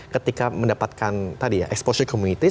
ketika mendapatkan exposure community